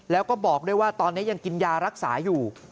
แล้วก็บอกด้วยว่าตอนนี้ยังกินยารักษาอยู่